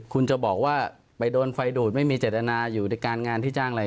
คุณจะบอกว่าไปโดนไฟดูดไม่มีเจตนาอยู่ในการงานที่จ้างอะไร